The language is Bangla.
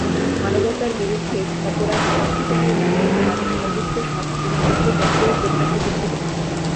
মানবতার বিরুদ্ধে অপরাধ সংঘটনের দায়ে তাঁর সর্বোচ্চ শাস্তি মৃত্যুদণ্ডই প্রত্যাশিত ছিল।